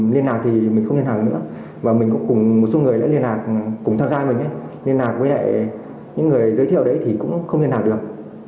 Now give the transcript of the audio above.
liên hạc với những người giới thiệu đấy thì cũng không liên hạc được